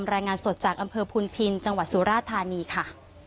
รายงานสดจากอำเภอพุนพินจังหวัดสุราธานีค่ะ